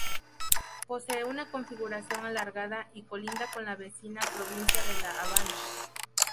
Posee una configuración alargada y colinda con la vecina provincia de La Habana.